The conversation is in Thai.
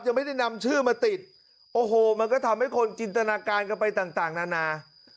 ยังไม่ได้นำชื่อมาติดโอ้โหมันก็ทำให้คนจินตนาการกันไปต่างนานา